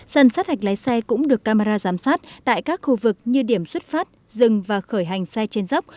sân sát hạch lái xe cũng được camera giám sát tại các khu vực như điểm xuất phát dừng và khởi hành xe trên dốc